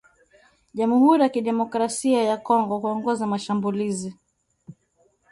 jamhuri ya kidemokrasia ya Kongo kuongoza mashambulizi